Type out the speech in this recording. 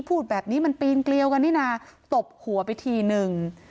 พูดแบบนี้มันปีนเกลียวกันนี่นะตบหัวไปทีนึง